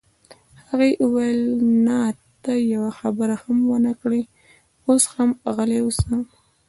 هغې وویل: نه، ته یوه خبره هم ونه کړې، اوس هم غلی اوسه.